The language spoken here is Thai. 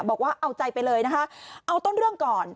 บอกว่าเอาใจไปเลยนะคะเอาต้นเรื่องก่อน